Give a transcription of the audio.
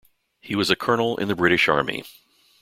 He was a Colonel in the British Army.